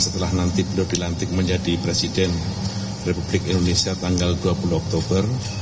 setelah nanti beliau dilantik menjadi presiden republik indonesia tanggal dua puluh oktober